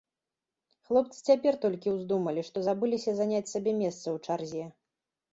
Хлопцы цяпер толькі ўздумалі, што забыліся заняць сабе месца ў чарзе.